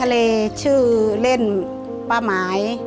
เกมต่อชีวิตสูงสุด๑ล้านบาท